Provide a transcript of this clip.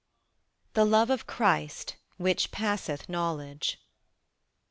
"THE LOVE OF CHRIST WHICH PASSETH KNOWLEDGE."